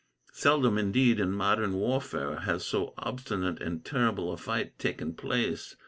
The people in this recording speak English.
Seldom, indeed, in modern warfare, has so obstinate and terrible a fight taken place.